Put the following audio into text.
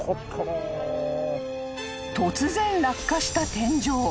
［突然落下した天井］